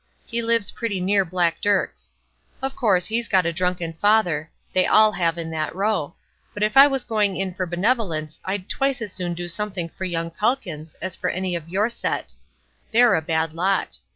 He lives pretty near Black Dirk's. Of course, he's got a drunken father; they all have in that row; but if I was going in for benevolence I'd twice as soon do something for young Calkins as for any of your set; they're a bad lot.